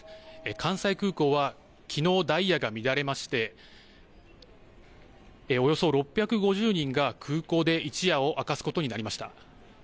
関西空港はきのうダイヤが乱れましておよそ６５０人が空港で一夜を明かすことになりました。